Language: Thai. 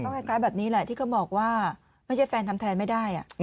คล้ายแบบนี้แหละที่เขาบอกว่าไม่ใช่แฟนทำแทนไม่ได้